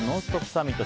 サミット。